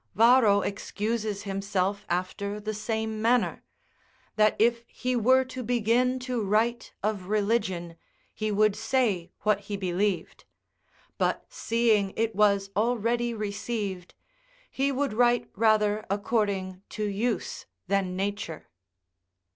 Varro excuses himself after the same manner: "that if he were to begin to write of religion, he would say what he believed; but seeing it was already received, he would write rather according to use than nature."